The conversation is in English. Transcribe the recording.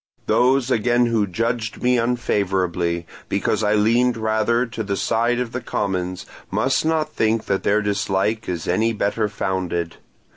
Those again who judged me unfavourably, because I leaned rather to the side of the commons, must not think that their dislike is any better founded.